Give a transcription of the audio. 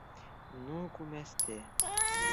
Ну, күмәсте.